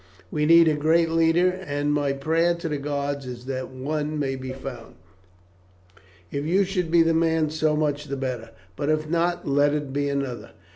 We need a great leader, and my prayer to the gods is that one may be found. If you should be the man so much the better; but if not, let it be another.